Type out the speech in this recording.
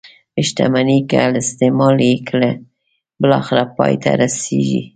شتمني که استعمال یې کړئ بالاخره پای ته رسيږي.